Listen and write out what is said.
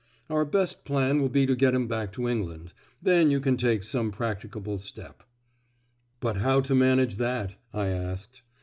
Our best plan will be to get him back to England; then you can take some practicable step." "But how to manage that?" I asked.